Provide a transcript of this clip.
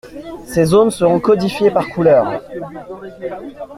Ces zones seront codifiées par couleurs.